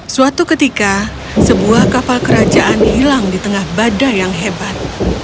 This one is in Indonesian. suatu ketika sebuah kapal kerajaan hilang di tengah badai yang hebat